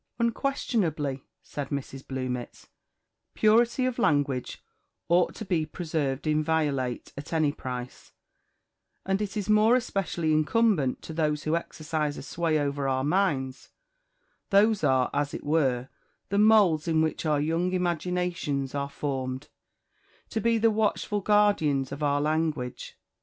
"Unquestionably," said Mrs. Bluemits, "purity of language ought to be preserved inviolate at any price; and it is more especially incumbent to those who exercise a sway over our minds those are, as it were, the moulds in which our young imaginations are formed, to be the watchful guardians of our language.